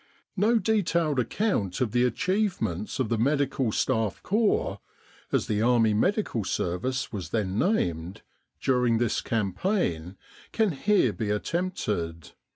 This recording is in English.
No detailed account of the achievements of the Medical Staff Corps (as the Army Medical Service was then named) during this campaign can here be attempted.